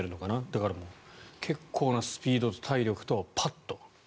だから結構なスピードでパッと。